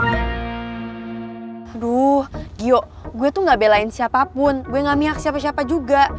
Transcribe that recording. aduh gio gue tuh ga belain siapapun gue ga miak siapa siapa juga